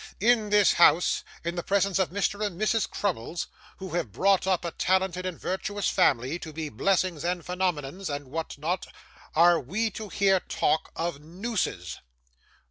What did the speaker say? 'In this house, in the presence of Mr. and Mrs. Crummles, who have brought up a talented and virtuous family, to be blessings and phenomenons, and what not, are we to hear talk of nooses?